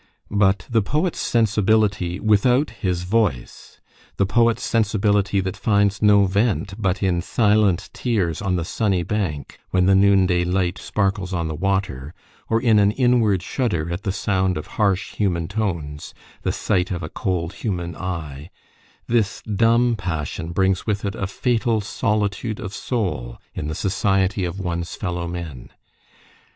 But the poet's sensibility without his voice the poet's sensibility that finds no vent but in silent tears on the sunny bank, when the noonday light sparkles on the water, or in an inward shudder at the sound of harsh human tones, the sight of a cold human eye this dumb passion brings with it a fatal solitude of soul in the society of one's fellow men.